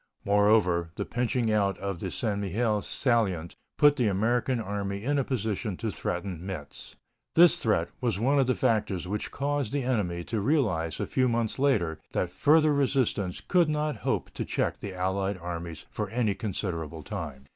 Moreover, the pinching out of the St. Mihiel salient put the American Army in a position to threaten Metz. This threat was one of the factors which caused the enemy to realize a few months later that further resistance could not hope to check the allied armies for any considerable time.